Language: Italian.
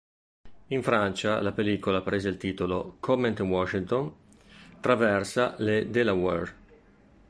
In Francia, la pellicola prese il titolo "Comment Washington traversa le Delaware".